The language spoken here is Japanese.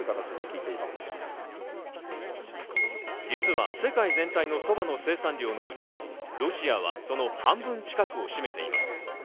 実は世界全体の蕎麦の生産量のうち、ロシアはその半分近くを占めています。